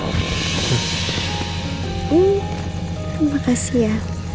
terima kasih ya